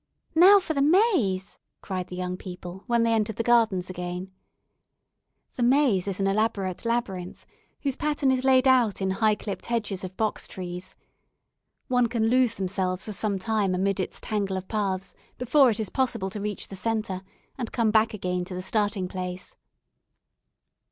"Now for the 'Maze,'" cried the young people, when they entered the gardens again. The "Maze" is an elaborate labyrinth, whose pattern is laid out in high clipped hedges of box trees. One can lose themselves for some time amid its tangle of paths before it is possible to reach the centre, and come back again to the starting place.